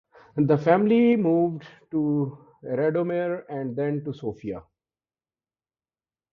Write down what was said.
The family moved to Radomir and then to Sofia.